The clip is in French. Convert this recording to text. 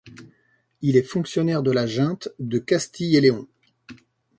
Il est fonctionnaire de la Junte de Castille-et-León.